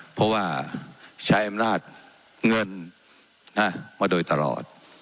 เพราะว่าใช้อำนาจเงินมาโดยตลอด